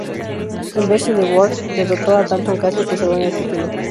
En Best in the World, derrotó a Dalton Castle, conservando el título.